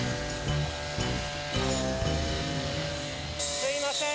すいません！